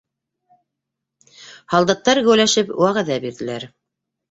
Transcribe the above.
Һалдаттар геүләшеп вәғәҙә бирҙеләр: